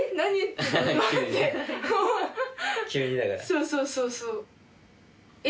そうそうそうそう。